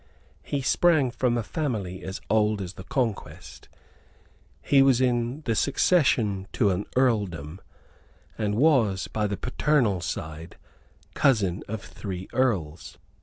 He sprang from a family as old as the Conquest; he was in the succession to an earldom, and was, by the paternal side, cousin of three earls.